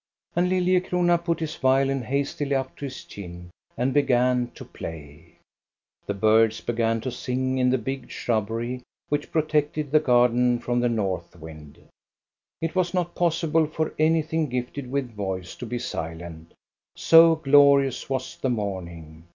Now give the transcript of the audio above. And Lilliecrona put his violin hastily up to his chin and began to play. The birds began to sing in the big shrubbery which protected the garden from the north wind. It was not possible for anything gifted with voice to be silent, so glorious was the morning.